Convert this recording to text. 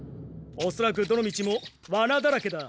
おそらくどの道もワナだらけだ。